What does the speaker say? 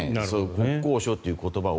国交省という言葉を。